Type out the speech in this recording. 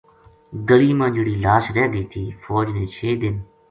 گلی ما جہیڑی لاش رہ گئی تھی فوج نے چھ دن